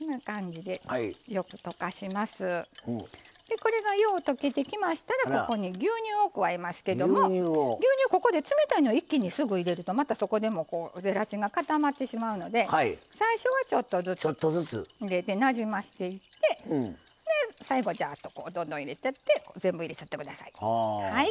これがよう溶けてきましたらここに牛乳を加えますけども牛乳ここで冷たいのを一気にすぐ入れるとまたそこでもゼラチンが固まってしまうので最初はちょっとずつ入れてなじませていって最後はジャーッとどんどん入れて全部入れちゃって下さい。